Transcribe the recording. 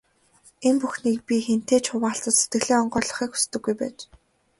Энэ бүхнийг би хэнтэй ч хуваалцаж, сэтгэлээ онгойлгохыг хүсдэггүй байж.